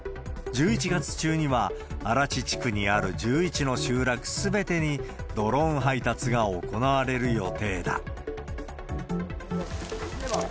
１１月中には愛発地区にある１１の集落すべてに、ドローン配達が行われる予定だ。